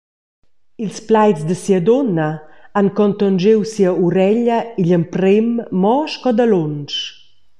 Ils plaids da sia dunna han contonschiu sia ureglia igl emprem mo sco dalunsch.